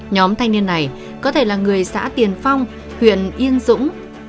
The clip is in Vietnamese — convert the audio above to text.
nhóm thanh niên này có thể là người xã tiền phong huyện yên dũng